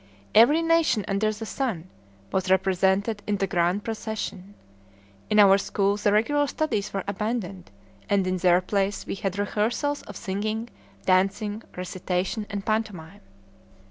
Every nation under the sun was represented in the grand procession. In our school the regular studies were abandoned, and in their place we had rehearsals of singing, dancing, recitation, and pantomime.